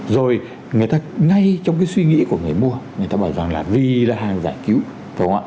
rồi người ta ngay trong cái suy nghĩ của người mua người ta bảo rằng là vì là hàng giải cứu